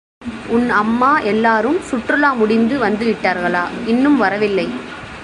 உன் அம்மா எல்லாரும் சுற்றுலா முடிந்து வந்து விட்டார்களா? இன்னும் வரவில்லை!